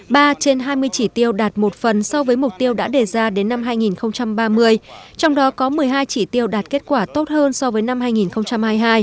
ba trên hai mươi chỉ tiêu đạt một phần so với mục tiêu đã đề ra đến năm hai nghìn ba mươi trong đó có một mươi hai chỉ tiêu đạt kết quả tốt hơn so với năm hai nghìn hai mươi hai